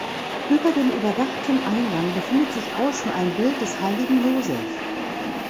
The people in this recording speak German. Über dem überdachten Eingang befindet sich außen ein Bild des Heiligen Josef.